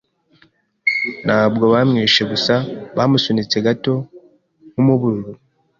Ntabwo bamwishe. Gusa bamusunitse gato nkumuburo.